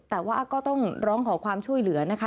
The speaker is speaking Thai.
แต่ว่าก็ต้องร้องขอความช่วยเหลือนะคะ